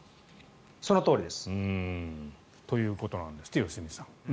そのとおりです。ということなんですって良純さん。